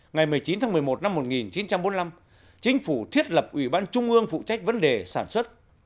ngày một mươi chín tháng một mươi một năm một nghìn chín trăm bốn mươi năm chính phủ thiết lập ủy ban trung ương phụ trách vấn đề sản xuất